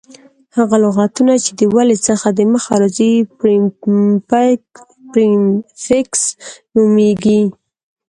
هغه لغتونه، چي د ولي څخه دمخه راځي پریفکس نومیږي.